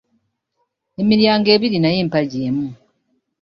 Emiryango ebiri naye empagi emu